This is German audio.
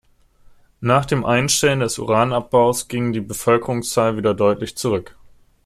Nach dem Einstellen des Uranabbaus ging die Bevölkerungszahl wieder deutlich zurück.